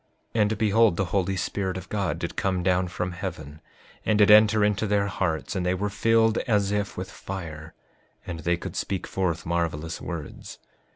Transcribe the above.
5:45 And behold, the Holy Spirit of God did come down from heaven, and did enter into their hearts, and they were filled as if with fire, and they could speak forth marvelous words.